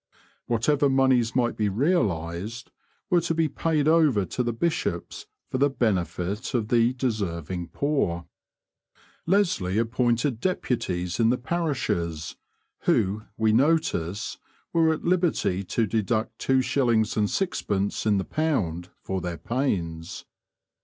Whatever moneys might be realised were to be paid over to the bishops for the benefit of the deserving poor. Lesley appointed deputies in the parishes, who, we notice, were at liberty to deduct 2_s._ 6_d._ in the £ for their pains.